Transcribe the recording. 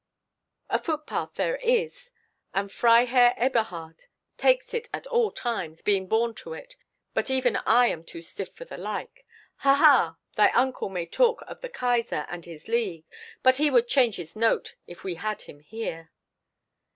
A footpath there is, and Freiherr Eberhard takes it at all times, being born to it; but even I am too stiff for the like. Ha! ha! Thy uncle may talk of the Kaiser and his League, but he would change his note if we had him here."